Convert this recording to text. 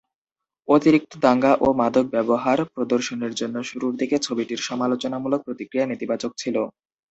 অতিরিক্ত দাঙ্গা ও মাদক ব্যবহার প্রদর্শনের জন্য শুরুর দিকে ছবিটির সমালোচনামূলক প্রতিক্রিয়া নেতিবাচক ছিল।